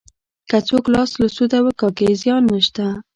که څوک لاس له سوده وکاږي زیان نشته.